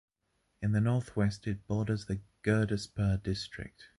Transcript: In the north-west, it borders the Gurdaspur district.